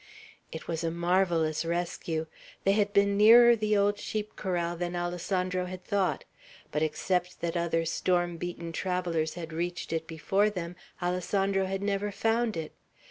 It was a marvellous rescue. They had been nearer the old sheep corral than Alessandro had thought; but except that other storm beaten travellers had reached it before them, Alessandro had never found it.